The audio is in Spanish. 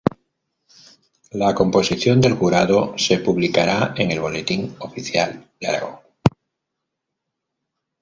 La composición del jurado se publicará en el Boletín Oficial de Aragón.